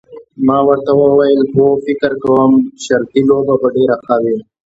ما ورته وویل هو فکر کوم شرطي لوبه به ډېره ښه وي.